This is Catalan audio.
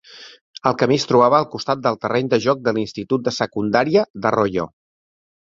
El camí es trobava al costat del terreny de joc de l'institut de secundària d'Arroyo.